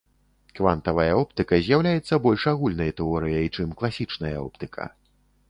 Квантавая оптыка з'яўляецца больш агульнай тэорыяй, чым класічная оптыка.